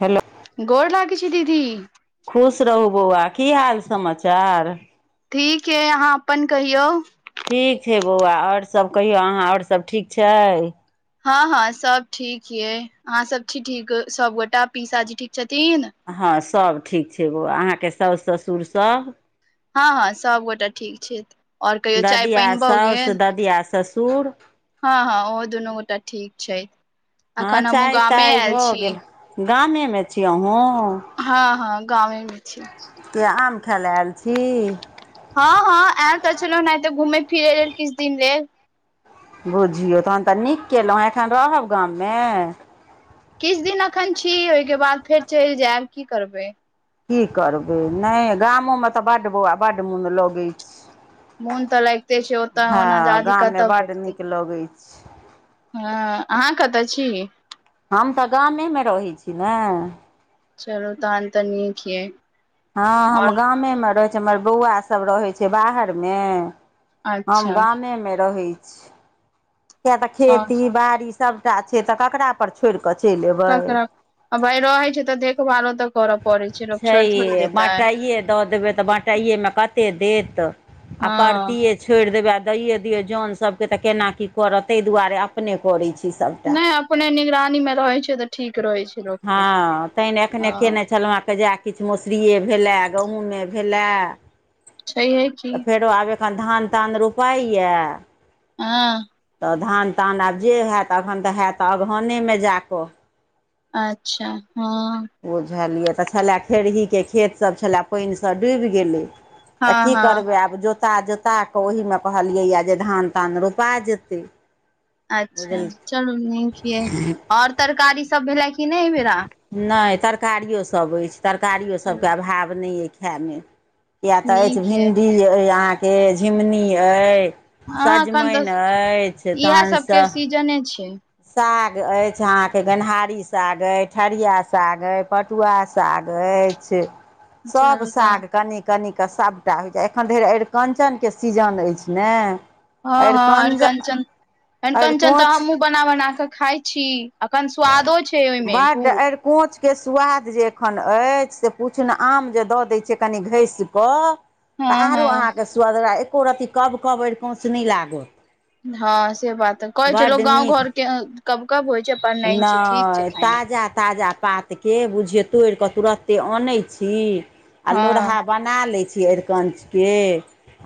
Hello. गोर लागि छि दीदी। खुश रहू बौआ कि हाल समाचार ठीक हैं अहाँ अपन कहियौ ठीक छै बौआ और सभ कहियौ अहाँ और सभ ठीक छै ह सभ ठीक ये अहाँ सभ छी ठीक सभगोटा पीसाजी ठीक छथिन ह सभ ठीक छै बौआ अहाँकेँ सौस ससुर‌ सभ ह सभगोटा ठीक छैथ ददिय सौउस ददिया ससुर ह उहो दुनू गोटा ठीक छै हैं अखन हमहुँ चाय गामे ताय आयल भऽ छी गेल गामे मे छी अहुँ ह गाम मे छी तो य आम खायलै आइल छी ह आएल तऽ चलो नेते घूमे फिरे लेल किछ दिन लेल बुझियौ तहन तऽ नीक केलौ एखन रहब गाम मे किछ दिन अखन छी ओहिके बाद फेर चलि जायब की करबै की करबै नहि गामोमे तऽ बड्ड बौआ बड्ड मुन लगैछै मोन तऽ लागिते छै ह ओतऽ ओना जादी गांममे कतऽ बड्ड निकल लगैछै हॅं अहाँ कतऽ छी? हम तऽ गामेमे रहै छी न चलु तहन तऽ नीक हय हँ हम गामेमे रहै छियै हमर बौआ सब रहै छै बाहरमे हम अच्छा गामेमे रहै छी, कियाकि तऽ और खेती बाड़ी सबटा छै तऽ ककरा पर छोरि कऽ चलि एबै। ककरा आ भाय रहै छै तऽ देखभालो तऽ करऽ पड़ै छै। लोक छोड़ि थोड़ी छैहे देतै बटाइए दऽ देबै तऽ ब बटाइये मे कते देत आ हँ परतीये छोड़ि देबै आ दैए दियौ जन सबके तऽ केना की करत ताहि दुआरे अपने करै छी सबटा नहि अपने निगरानी मे रहै छै तऽ ठीक रहै छै। लोकके हँ तैं ने अखने हँ कयने छलहुँ हेँ आ फेर किछु मसुरिए भेलए गहुमे भेलए छैहे कि तऽ फेरो आब एखन धान तान रोपाइए हँ तऽ धान तान आब जे ह‌एत अखन तऽ ह‌एत अगहनेमे जा कऽ अच्छा हँ बुझलियै तऽ छलय खेरहीके खेतसभ छलय पानिसँ डुबि गेलै। तऽ हँ की हँ करबै आब जोता- जोता कऽ ओहीमे कहलियैए जे धान तान रोपा जेतै। अच्छा बुझल चलू नीक ये आओर तरकारी सब भेलै कि नहि ऐ बेरा नै तरकारियोसभ अछि चलू तरकारियोसभके अभाव नै ऐ खायमे किया तऽ अछि नीक यै भिंडी अइ अहाँके झिङ्गुनी अइ हँ एखन सजमनि अछि तहनसँ जनै छियै साग अछि अहाँके गेन्हारी साग अछि ठरिया साग अछि पट पटुआ साग अछि सब चलू तहन साग कनी कनिक सबटा होइ छै, एखन धरि अरिकञ्चनके सीजन अछि न हँ हँ अरिकंचन अरिकंचन तऽ अरिकोञ्च हमहुँ बना -बना कऽ खाइ छी अखन स्वादो छै ओहिमे बड खूब अरि कोँचके सुआद जे एखन अछि से पुछू नहि आम जे दऽ दै छियै कनि घसि कऽ तऽ हँ आरो हँ अहाँके सुवदगर एको रत्ती कब- कब अरिकोंच नहि लागत। हँ से बात त छै कहै छै लोक बड्ड गाँव घर के कब कब होय छै पर नहि छै ठीक छै नय खायमे ताजा ताजा पात त के बुझियौ तोड़िकऽ तुरते अनै छी आ लोरहा हँ बना लै छी अरिकंच के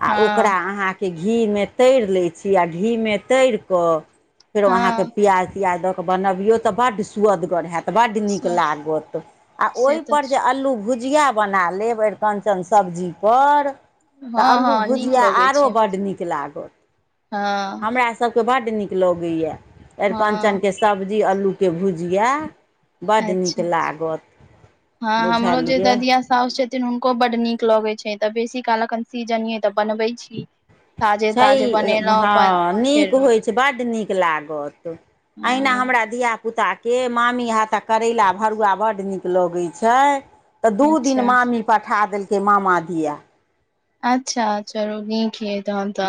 आ ओकरा हँ अहाॅं के घी मे तैर लै छी आ घी मे तैर कऽ फेरो अहाँके हँ प्याज- तिआज दऽ कऽ बनबियौ तऽ बड्ड सुअदगर हेएत तऽ बड्ड नीक लागत आ से ओहि पर तऽ जे अल्लू भुजिया बना लेब अरिकंचन सब्जी पर तऽ हँ अल्लू हँ नीक भुजिया आरो बड्ड नीक लागत ह हमरा सभके बड्ड नीक लगैये अरिकंचन हँ के सब्जी आलू के भुजिया बड़ नीक अच्छा लागत बुझलियै। सासु छथिन हुनको बड़ नीक लगै छै तऽ बेसी काल अखन सीजन ऐ तऽ बनबै छी। ताजे ताजे छय बनेलहुँ ह अपन नीक खेलहुँ होय ब न [unintelligible] हम। ह पुताके मामी ह तऽ करैला भरुआ बड्ड नीक लगैत छै। त दू दिन अच्छा मामी पठा देलकै मामा दिया अच्छा, अच्छा चलु नीक ऐछ।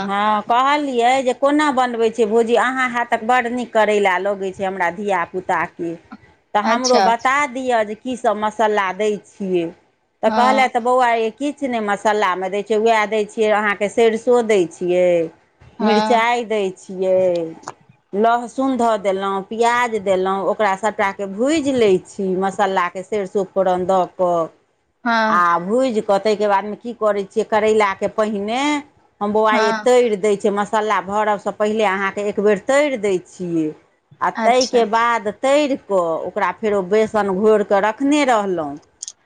ह कहलियै जे कोना बनबै छिय भौजी अहाँ है तक बड़ नीक करै लए लगैत छै हमरा धिय पुताके। तऽ हमरो अच्छा बात दिए कि सभ मस्ला दिया छै तऽ कहल। हँ बौआ ई किछु नहि मसालामे दैत छै उएह दैत छियै अहाँकेँ सरिसो दैत छियै। हँ मिर्चाइ दै छिय लहसुन धऽ देलहुँ प्याज देलहु ओकरा सभटा के भुजि लैत छी मसाला के। सेर सूप दऽ आ हँ भूजि कऽ ताहिके बादमे कि करैत छियै करैलाके पहिने। हम बौआए हँ तरि दैत छै मसाला भरबसँ पहिले अहाँकेँ एकबर तरि दैत छियै। आ अच्छा ताहिके बाद तरि क ओकरा फेरो ओ बेसन घोरि कऽ रखने रहलहुँ।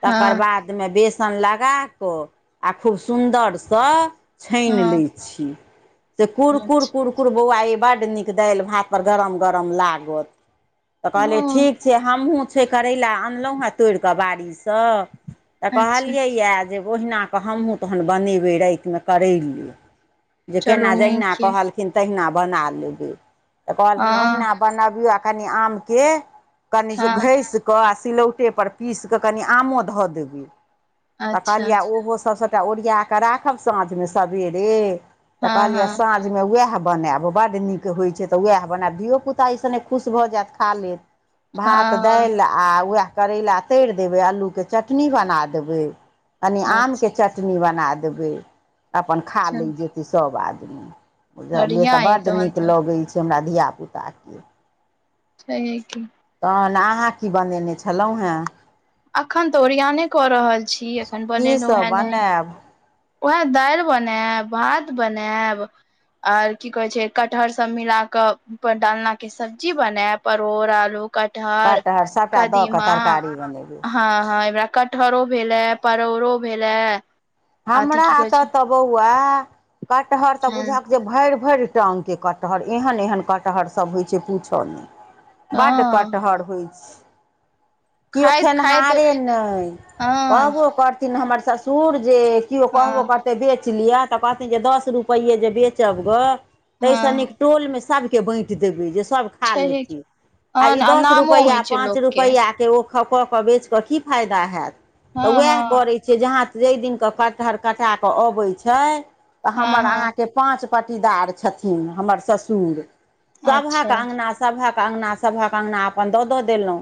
तकर हँ बादमे बेसन लगा क आ खूब सुन्दरसँ। छानि लै हँ छी तऽ कुर कुर। अच्छा कुकुर बौआ ई बड़ नीक दि भात पर गरम गरम लागत तऽ कहलिय हँ ठीक। से हमहुँ छै करैला अनलहुँ ह तोड़िकऽ बाड़ीसँ तऽ अच्छा कहलियैए। जे ओहिना कऽ हमहूँ तहन बनेबै रातिमे करै ल जे चलू केना जहिना नीक यै कहलऽ कहखिन तहिना बना लेबे तऽ कहलखिन हँ ओहिना बनबियौ आ कनि आम के। कनि जे हँ घसि क आ सिलौटेपर पीसि कऽ कनि आमो धऽ देबै। तऽ अच्छा कहलियै ओहो सभ सभटा ओरिया कऽ राखब साझ मे सवेरे। तऽ हँ हँ कहलीया वएह बनायब बड नीक होई छै तऽ वएह बनायब धियो पुता ईसने खुश भऽ जायत खा ले। [inaudible] भात हँ दालि आ उएह करैला तरि देबै आल्लू के चटनी बना देबै। कनि हँ आम के चटनी बना देबै। अपन खा अच्छा लैत जेतै सभ आदमी बुझलियै तऽ बढ़िया यै बड़ तहन नीक तऽ लगैत छै। से हमरा धिया पुता के। छै कऽ तखन अहाँ कि बनेने छलहुँ हे एखन तऽ ओरियान कऽ रहल छी एखन बनेलहुँ कीसभ हे नहि। बनायब उएह दालि बनायब भात बनायब। आर कि कहे छै कटहर सभ मिल कऽ ऊपर डालना के सब्जी बना परोड़ आलू। कटहर सभटा दऽ कऽ कदीमा तरकारी बनेबै ह हरा। कटहरो भेलए परोरो भेलऽ हमरा तऽ तऽ बौआ कटहर तऽ हँ बुझक। जे भरि भरिटा गके कटहर एहन एहन कटहर सभ होइ छै पूछऽ नहि। बड़ हँ कटहर होई छै। केओ खाइत खाइत खेनिहारे नहि हँ कहबो करथिन हमर ससुर जे। केओ कहबो हँ करतै बेच लिअ तऽ कहथिन जे दस रुपैे जे बेचब गऽ तैसँ हँ नीक। टोल मे सबके बाईट देबै जे सब। खा छैहे की लेतै आ ई हँ दस नामो होइ रुपआ छै पाँच लोकके रुपैआ के ओ। सऽ बेच कऽ की फायदा होयत हँ तऽ वएह हँ करै छियै ज जाहि दिन। क टहरकटाके आबै चै हँ हमर आहा हँ के पाचपदरछतीन हमर ससुर। अच्छा सभक अगना सभक अङगना अपन दऽ दऽ देलहुँ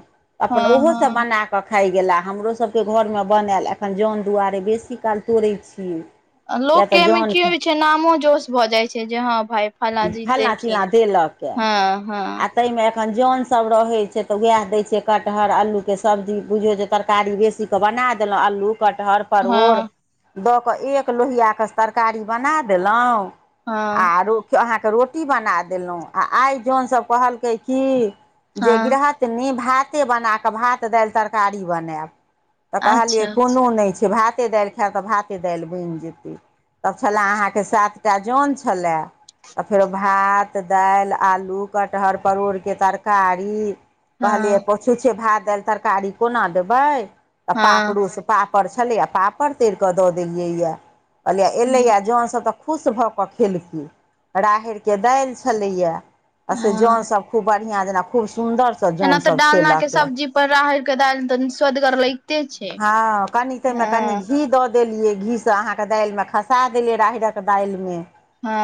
अपन हँ ओहो सब हँ बना क। क खाइ गेला हमरोसभके घरमे बनायल एखन जन दुआरे बेसी काल तोड़ै छियै। किया लोकके तऽ एहिमे जन की होइ छै नामो ज श भऽ जाइ छै जे हँ भााय फला जी देलखिन। हँ हँ। आओर ताहिमे एखन जनसब रहै छै तऽ वएह दै छियै कटहर आलूके सब्जी बुझियौ जे तरकारी बेसी। केऽ बना देलहुँ अल्लू कटहर। हँ परोड़ दऽ कऽ एक लोहिआके तरकारी बना देलहुँ। हँ आर अहाँकेँ रोटी बना देलहुँ आ आइ जनसभ कहलकै क। की जे हँ गृहथनि भाते बना कऽ भात दालि तरकारी बनायब। तऽ कहलियै अच्छा कोनो नहि छै भाते दालि खायब तऽ भाते दालि बनि जेतै। तब छलए अहाँके सात टा जन छलए। तऽ फेरो भात दालि आलू कटहर परोरके तरकारी। हँ कहलियै पोछूछे भाय दालि तरकारी कोना देबै तऽ हँ पापड़ूसँ। पापड़ छलैए पापड़ तैर कऽ दऽ देलियैया कहलियै एलैए जन सब तऽ। खुश भऽ कऽ खेलखिन राहरिके दालि छलैया से जन हँ सब। खूब बढ़िआँ जेना खूब सुन्दर। एना ते डालना के सब्जी पर राहर के दालिपर सुअदगरलैगतेछै हँ कनि तामे कनि घी दऽ दे। देलियै घीसँ अहाँके दालिमे खसा देलियै राहरिक दालिमे।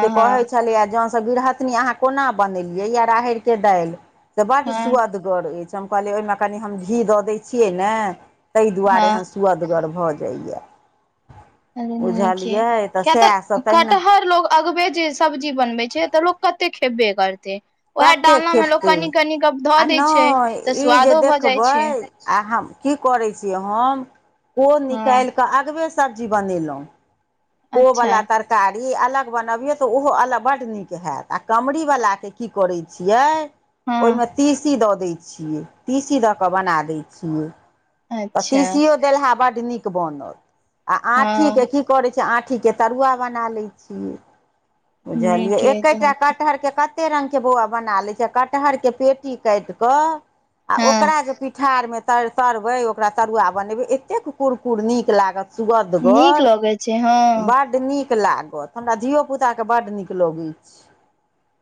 से कहै हँ छलैए जौँसँ गिरहथिन अहाँ कोना बनेलियै यए राहड़िके दालि। तऽ बड्ड हँ सुआदगर अछि हम कहलियै ओहिमे कनि हम घी दऽ दैत छियै ने। ताहि दुआरे हँ ऐहंन सुअदगर भऽ जाइए। अरे नीके बुझलियै क्य तऽ सएहसभ तहिना कटहर लोग। अगबे जे सब्जी बनबे छै तऽ लोक कते खेबे करते। उएह कते डालना मे लोकोग खेतै कनी कनीिक धऽ आ दै छै नहि तऽ ई जे स्वादो भऽ जाइ देखबै छै। आ हम की करैत छीिय हम ओ हँ निकालि कऽ अगबे सब्जी बनेलहुँ। ओ अच्छा बला तरकारी तरकारी अलग बनबियौ तऽ ओहो अलग बड नीक होैत आ कमरीवलाके की करैत छियै। हँ ओहिमे तीसी दऽ दैत छियै तीसी दऽ कऽ बना दैत छियै। तऽ अच्छा तीसियो देलहा बड नीक बनल आ आँठी हँ के की। की करै छ छी आँठीके तरुआ बना लैत छी। बुझलियै नीके एकेटा कटहरके कत। कते रंग के बौआ बना ले छै कटहर के पेटी काटि कऽ। आ हँ ओकरा जे पिठारमे तर तरबै ओकरा तरुआ एतेक कुरकुर नीक लागत। नीक सुगधगर लगै छै ब। हँ बड्ड नीक लागत हमरा धियो पुताके बड नीक लगैत यै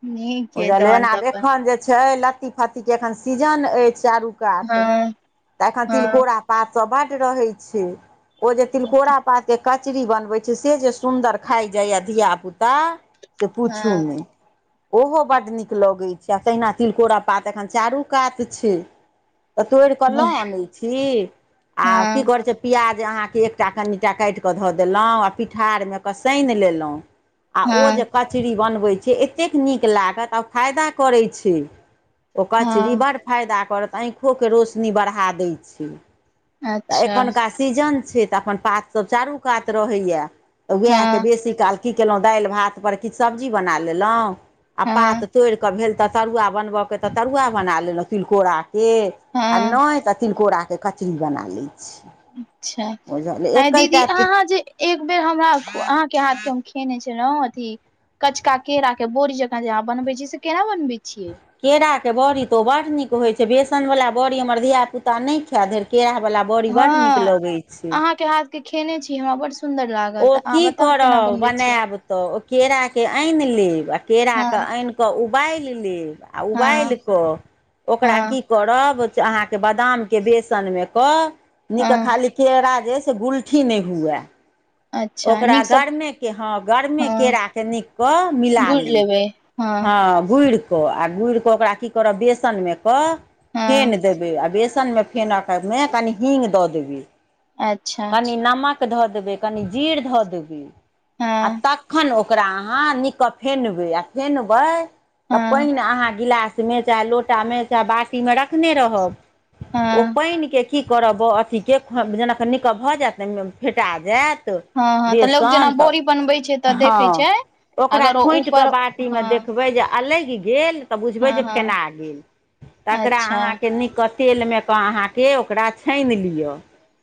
नीक यै बुझलियै तहन ने तऽ आब अपन एखन जे छै लत्ती फत्तीके एखन सीजन आय चालु कात हँ तऽ एखन हँ तिलकोरा। पात सभ बड़ रहे छै ओ जे तिलकोरा पात के। कचरी बनबै छी से जे सुन्दर खाई जाइए धियापुता। से पूछू हँ नहि। ओहो बड़ नीक लगैत छै आ तहिना तिलकोरा पात एखन चारू कात छै। तऽ तोड़ कऽ लहु आनैत छी आ कि हँ करै छै। पिआ जे अहाँकेँ एकटा कनिटा काटिक धऽ देलहुँ आओर पिठारमे कऽ सानि लेलहुँ। ओ हँ जे कचरी बनबै छै एतेक नीक लागत आ फायदा करैत छै। ओ कचरी हँ बड़ फायदा करत आँखो के रोशनी बढ़ा दै छै। तऽ अच्छा एखुनका सीजन छै त अपन पातसभ चारू कात रहैए। त उएहके हँ बेसी काल की कयलहुँ दालि भातपर किछु सब्जी बना लेलहुँ। पात हँ तोड़ि कऽ भेल तऽ तरुआ बनबयके तऽ तरुआ बना लेलहुँ तिलकोरा। से आ हँ नहि त तिलकोराके कचरी बना लै छियै। अच्छा हैं दीदी अहाँ जे। एक बेर हमरा अहाँकेँ हाथ के हम खेने छलहु अथी। कचका केरा के बोरी जकाँ जे अहाँ बनबै छियै से केना बनबै छियै। केराके बड़ी तऽ ओ बड़ नीक होइत छै। बेसनवला बड़ी हमर धियापुता नहि खायए धरि केरावला बड़ी बड़ नीक हँ लगै छै। अहाँके हाथ के खेने छी हमरा बड़ सुंन्दर लागल ओ तऽ अहाँ की बताउ केना करब बनबै छियै। बनायब तऽ ओ केराके आनि लेब आओ हँ केराके आनिक उबालि लेब आ। आ उबाल हँ कऽ ओकरा हँ कि करब अहाँकेँ बादाम के बेसन मे कऽ नै हँ खाली केरा जे है। से गुलठी नहि हुए। अच्छा ओकरा नीकसँ गरमे के ह गरमे हँ केराके नप कऽ मिला गुड़ि लिब लेबै हँ ह भुड़ आ गुड़ कऽ ओकरा कि करब बेसन मे कऽ हँ फेन देबे आ बेसन मे मे कनि हीग दऽ देबै अच्छा कनि नमक देबै कनि जीर धऽ देबी आ हँ तखन। [unintelligible] चाह हँ लोटा मे बटी मे रखने रह हँ प। कि करब अथी के जेना नीक भऽ जायत ने फेटा जायत ह ह तऽ लोकग जेना बेसन तऽ बोरी बनबै छै। तऽ देखै हँ छै। ओकरा अगर ओ खोटि कऽ ऊपर बाटी मे हँ देखबै जे अलै गेल तऽ बुझबै हँ जे हँ फेना गेल तकरा अच्छा अहाँकेँ न तेल मे अहाँ ओकरा छान लिआ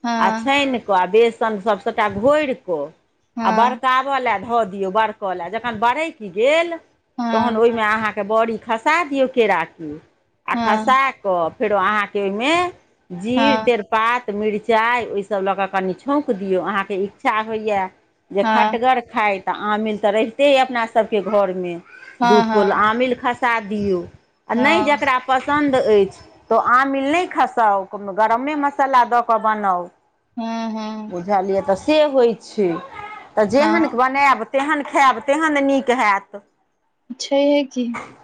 हँ छान घोर कऽ आ ब हँ [unintelligible] हा हँ के बड़ी खसा दियौ केरे आ हँ खसा कऽ फेरो अहाँकेँ ओहिमे जीर हँ तेजपात मिरचाइ ओहिसभ लऽ कऽ कनि छौक दियौ अहाँकेँ इच्छा अच्छा होइएा जे हँ खटगर खाइत तऽ आमिल तऽ रहिते आइ अपना सभके घरमे हँ दू हँ फुल आमिल खसा दियौ आ नहि हँ जकरा। पसन्द अछि। तऽ आमिल नहि खसाउ गरमे मसाला दऽ कऽ बनाउ ह ह बुझलियै तऽ से होई छै। तऽ जेहन हँ बनायब तेहन खायब तेहन नीक होत। छैहे। कि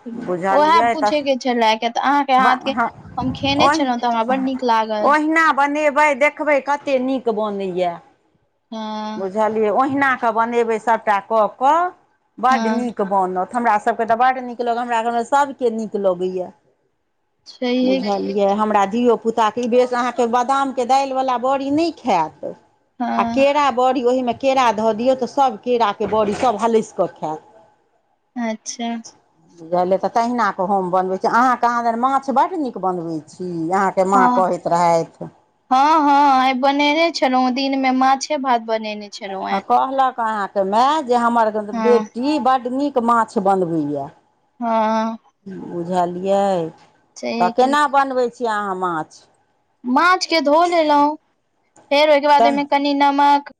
उएह बुझलियै तऽ पूछेके छै। लए कऽ तऽ अहाँकेँ हाथके हँ हम खेने ओहि छलौह तऽ हमरा बड्ड नीक लागल ओहिना बनेबै देखबै कतेक नीक बनैया ह ओहिना क बनेबै सबटा कऽ क बड हँ नीक बनत हमरा सबके तऽ बड नीक लगत। हमरा घरमे सभके नीक लगैया छैहे की बुझलिय य हमरा धियोपुताके ई बेस अहाँके बादामके दालिवला बड़ी नहि खायत। हँ आ केरा बरी ओहिमे केरा धऽ दियौ तऽ सभ केराके बरी सभ हलसि कऽ खायत। [inaudible] अच्छा बुझलियै तऽ तहिना कऽ हम बनबै छी। अहाँ कहांदन माछ बड्ड नीक बनबैत छी। अहाँके के माँ हँ कहैत रहथि। हँ हँ आय बनेने छलौ। दिन में माछे भात बनेने छलहुँ हेँ कहलक अहाँके माय जे हमर हँ बेटी बड नीक माछ बनबै या हँ बुझलियै से तऽ कि केना बनबैत छियै। अहाँ माछ माछके धो लेलौ फेर ओहिके बाद तहन ओहिमे कनि नमक